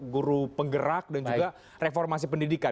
guru penggerak dan juga reformasi pendidikan